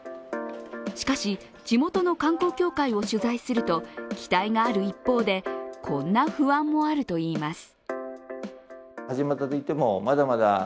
しかし、地元の観光協会を取材すると期待がある一方で、こんな不安もあるといいます。